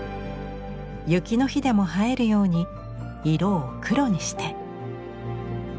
雪の日でも映えるように色を黒にして。